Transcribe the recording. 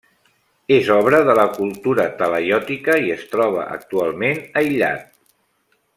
És obra de la cultura talaiòtica i es troba actualment aïllat.